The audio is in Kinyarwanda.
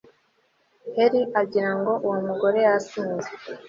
heli agira ngo uwo mugore yasinze